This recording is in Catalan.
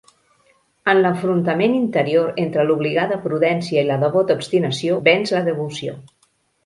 En l'enfrontament interior entre l'obligada prudència i la devota obstinació venç la devoció.